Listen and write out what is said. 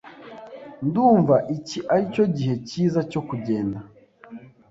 Ndumva iki aricyo gihe cyiza cyo kugenda.